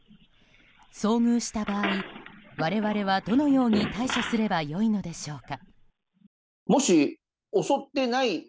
遭遇した場合、我々はどのように対処すればよいのでしょうか。